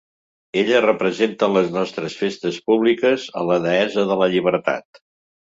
Ella representa en les nostres festes públiques a la deessa de la llibertat.